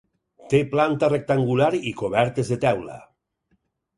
Té planta rectangular i cobertes de teula.